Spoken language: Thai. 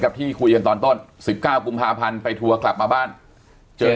ที่คุยกันตอนต้น๑๙กุมภาพันธ์ไปทัวร์กลับมาบ้านเจอ